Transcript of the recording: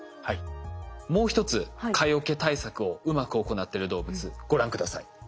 もう一つ蚊よけ対策をうまく行ってる動物ご覧下さい。